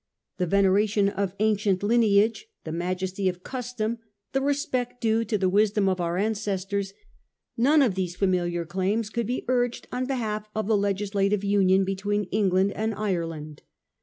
The veneration of ancient lineage, the majesty of custom, the respect due to the ' wisdom of our ancestors '— none of these familiar claims could be urged on behalf of the legislative union between England and Ireland.